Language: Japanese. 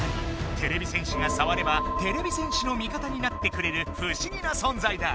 てれび戦士がさわればてれび戦士の味方になってくれる不思議な存在だ。